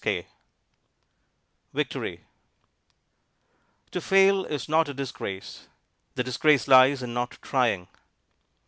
_ VICTORY To fail is not a disgrace; the disgrace lies in not trying.